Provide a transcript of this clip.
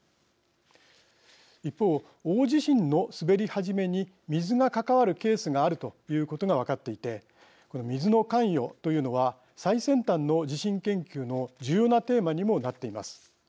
一方、大地震の滑り始めに水が関わるケースがあるということが分かっていてこの水の関与というのは最先端の地震研究の重要なテーマにもなっています。